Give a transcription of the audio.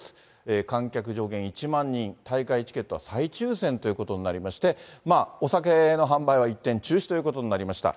観客上限１万人、大会チケットは再抽せんということになりまして、お酒の販売は一転、中止ということになりました。